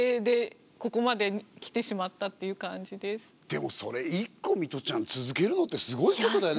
でもそれ一個ミトちゃん続けるのってすごいことだよね。